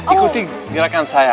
ikuti gerakan saya